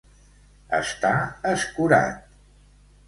Estar escurat.